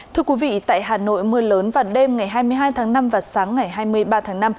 thưa quý vị tại hà nội mưa lớn vào đêm ngày hai mươi hai tháng năm và sáng ngày hai mươi ba tháng năm